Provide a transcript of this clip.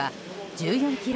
１４ｋｇ